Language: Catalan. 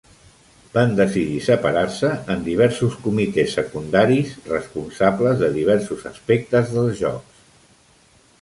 Van decidir separar-se en diversos comitès secundaris responsables de diversos aspectes dels Jocs.